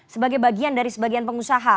sebagai bagian dari sebagian pengusaha